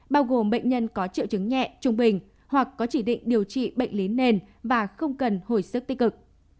bao gồm bệnh nhân có triệu chứng nhẹ trung bình hoặc có chỉ định điều trị bệnh lý nền và không cần hồi sức tích cực